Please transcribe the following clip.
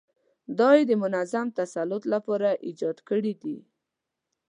دا یې د منظم تسلط لپاره ایجاد کړي دي.